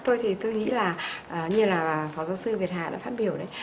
tôi thì tôi nghĩ là như là phó giáo sư việt hà đã phát biểu đấy